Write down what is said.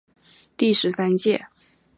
第十三届